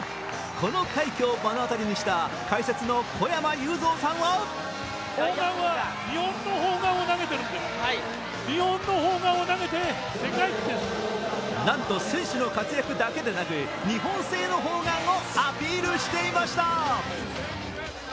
この快挙を目の当たりにした解説の小山裕三さんはなんと選手の活躍だけでなく、日本製の砲丸をアピールしていました。